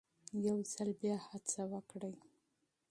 يو ځل بيا کوښښ وکړئ